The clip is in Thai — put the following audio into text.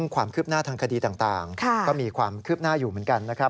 ความคืบหน้าทางคดีต่างก็มีความคืบหน้าอยู่เหมือนกันนะครับ